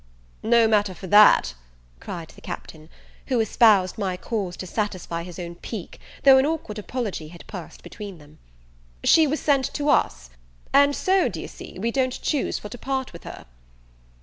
"No matter for that," cried the Captain, (who espoused my cause to satisfy his own pique, tho' an awkward apology had passed between them) "she was sent to us; and so, dy'e see, we don't choose for to part with her."